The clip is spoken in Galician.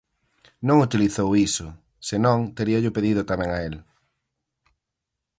Non utilizou iso; se non, teríallo pedido tamén a el.